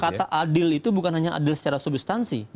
kata adil itu bukan hanya adil secara substansi